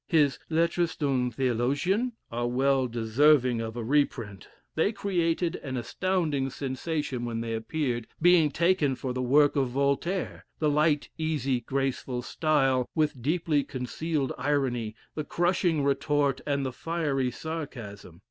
His "Lettres d'un Théologien" are well deserving of a reprint; they created an astounding sensation when they appeared, being taken for the work of Voltaire the light, easy, graceful style, with deeply concealed irony, the crushing retort and the fiery sarcasm.